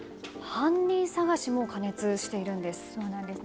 犯人捜しも過熱しているんです。